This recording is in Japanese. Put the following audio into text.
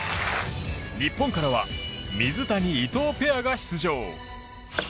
日本からは水谷・伊藤ペアが出場。